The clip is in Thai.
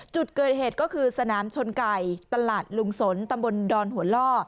จุดเกิดเหตุก็คือสนามชนไก่ตลาดลุงสนตำบลดอนหัวล่อ